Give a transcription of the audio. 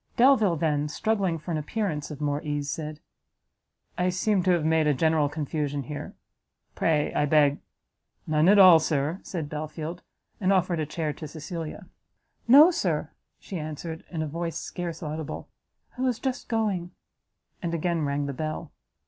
Delvile then, struggling for an appearance of more ease, said, "I seem to have made a general confusion here: pray, I beg" "None at all, Sir," said Belfield, and offered a chair to Cecilia. "No, Sir," she answered, in a voice scarce audible, "I was just going." And again rang the bell.